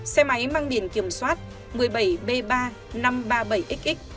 xe máy mang biển kiểm soát một mươi bảy b ba nghìn năm trăm ba mươi bảy xx